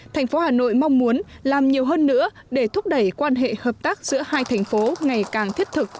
thành phố hà nội mong muốn làm nhiều hơn nữa để thúc đẩy quan hệ hợp tác giữa hai thành phố ngày càng thiết thực